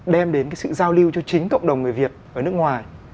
đem đến cái sự giao lưu cho chính cộng đồng người việt ở nước ngoài